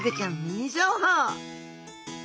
ミニ情報